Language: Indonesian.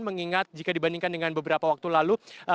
mengingat jika dibandingkan dengan beberapa waktu lalu